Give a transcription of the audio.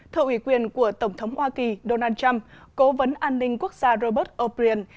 thợ ủy quyền của tổng thống hoa kỳ donald trump cố vấn an ninh quốc gia robert o brien